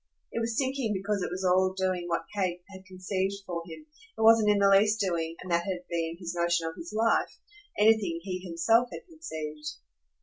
It was sinking because it was all doing what Kate had conceived for him; it wasn't in the least doing and that had been his notion of his life anything he himself had conceived.